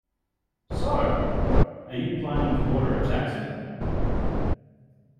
So, are you planning to order a taxi?